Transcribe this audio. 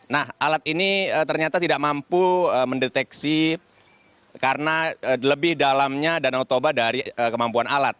nah alat ini ternyata tidak mampu mendeteksi karena lebih dalamnya danau toba dari kemampuan alat